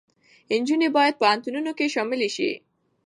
نجونې باید په پوهنتونونو کې هم شاملې شي.